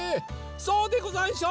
そうでござんしょ？